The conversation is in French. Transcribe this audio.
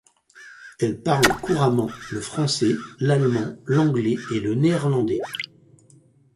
Elle parle couramment le français, l'allemand, l'anglais et le néerlandais.